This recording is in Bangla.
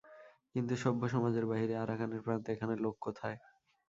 কিন্তু, সভ্যসমাজের বাহিরে আরাকানের প্রান্তে এখানে লোক কোথায়।